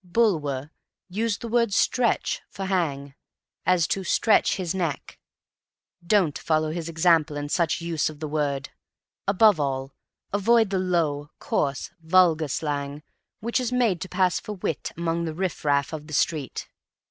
Bulwer used the word "stretch" for hang, as to stretch his neck. Don't follow his example in such use of the word. Above all, avoid the low, coarse, vulgar slang, which is made to pass for wit among the riff raff of the street.